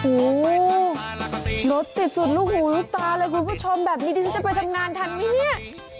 โอ้โหรถติดสุดลูกหูลูกตาเลยคุณผู้ชมแบบนี้ดิฉันจะไปทำงานทันไหมเนี่ย